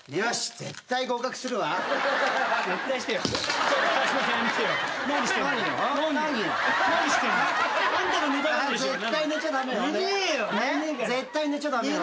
絶対寝ちゃ駄目よ。